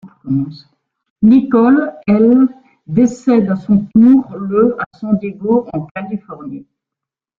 Nicole, elle, décède à son tour le à San Diego en Californie.